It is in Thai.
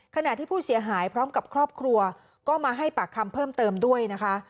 ขณะที่ผู้เสียหายพร้อมกับครอบครัวก็มาให้ปากคำเพิ่มเติมด้วยนะคะ